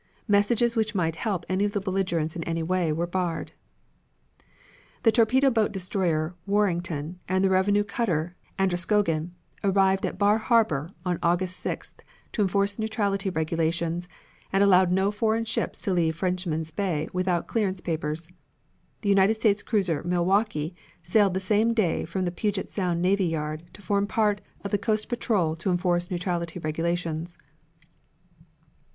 Messages which might help any of the belligerents in any way were barred. The torpedo boat destroyer Warrington and the revenue cutter Androscoggin arrived at Bar Harbor on August 6th, to enforce neutrality regulations and allowed no foreign ships to leave Frenchman's Bay without clearance papers. The United States cruiser Milwaukee sailed the same day from the Puget Sound Navy Yard to form part of the coast patrol to enforce neutrality regulations.